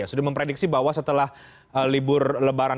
sudah memprediksi bahwa setelah libur lebaran